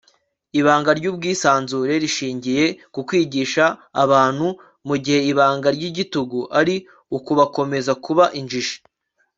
ibanga ry'ubwisanzure rishingiye ku kwigisha abantu, mu gihe ibanga ry'igitugu ari ukubakomeza kuba injiji